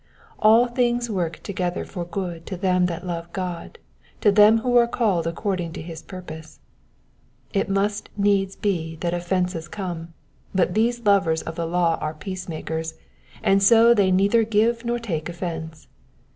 '' All things work together for good to them that love God, to them who are the called according to his purpose.'^ It must needs be that offences come, but these lovers of the law are peacemakers, and so tbey neither give nor take offence.